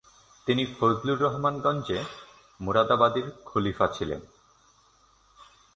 তিনি ফজলুর রাহমান গঞ্জে মুরাদাবাদির খলিফা ছিলেন।